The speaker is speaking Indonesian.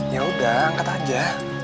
ya udah angkat aja